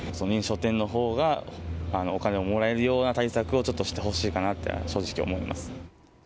認証店のほうがお金をもらえるような対策を、ちょっとしてほしいかなって、正直思います。